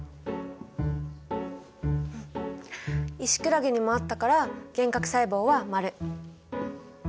イシクラゲにもあったから原核細胞はマル。